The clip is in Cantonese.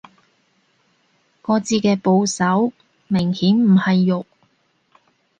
個字嘅部首明顯唔係肉